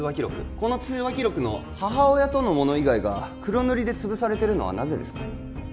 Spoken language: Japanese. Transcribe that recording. この通話記録の母親とのもの以外が黒塗りで潰されてるのはなぜですか？